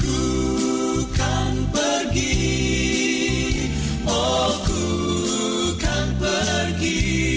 oh ku kan pergi